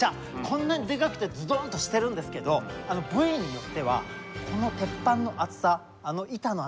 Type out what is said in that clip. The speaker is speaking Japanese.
こんなにでかくてズドンとしてるんですけど部位によってはこの鉄板の厚さ板の厚さが２ｍｍ。